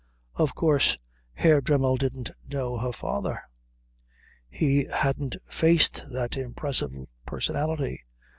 Of course, Herr Dremmel didn't know her father. He hadn't faced that impressive personality.